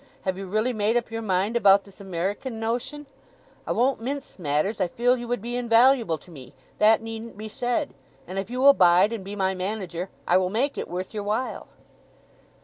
Have you really made up your mind about this American notion? I won't mince matters. I feel you would be invaluable to me—that needn't be said—and if you will bide and be my manager, I will make it worth your while."